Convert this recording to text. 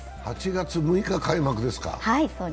８月６日開幕ですか。